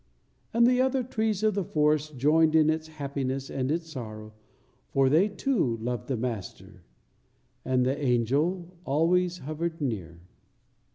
And the other trees of the forest joined in its happiness and its sorrow, for they, too, loved the Master. And the angel always hovered near.